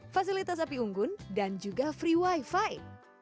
fasilitas api unggun dan juga free wifi